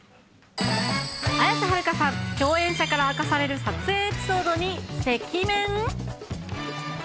綾瀬はるかさん、共演者から明かされる撮影エピソードに、赤面？